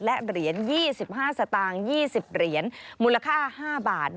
และเหรียญ๒๕สตางค์๒๐เหรียญมูลค่า๕บาท